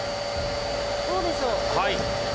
はい。